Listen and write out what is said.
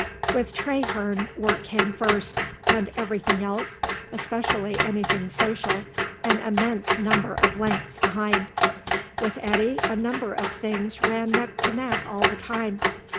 With Traherne, work came first, and everything else, especially anything social, an immense number of lengths behind. With Eddy a number of things ran neck to neck all the time.